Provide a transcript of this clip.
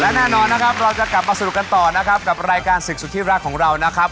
และแน่นอนนะครับเราจะกลับมาสนุกกันต่อนะครับกับรายการศึกสุดที่รักของเรานะครับ